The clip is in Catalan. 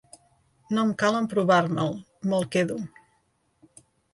No em cal emprovar-me'l. Me'l quedo.